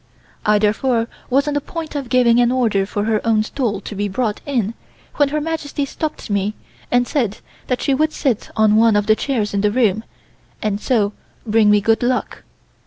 I therefore was on the point of giving an order for her own stool to be brought in, when Her Majesty stopped me and said that she would sit on one of the chairs in the room, and so bring me good luck.